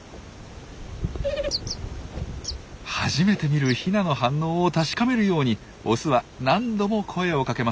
初めて見るヒナの反応を確かめるようにオスは何度も声をかけます。